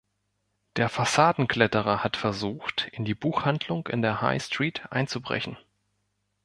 Der Fassadenkletterer hat versucht, in die Buchhandlung in der High Street einzubrechen.